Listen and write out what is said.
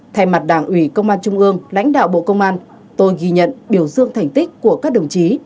thay mặt đảng ủy công an trung ương lãnh đạo bộ công an tôi ghi nhận biểu dương thành tích của các đồng chí